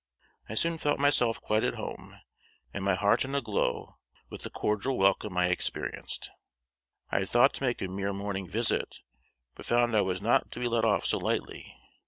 I soon felt myself quite at home, and my heart in a glow with the cordial welcome I experienced. I had thought to make a mere morning visit, but found I was not to be let off so lightly.